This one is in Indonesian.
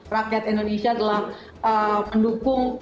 rakyat indonesia telah mendukung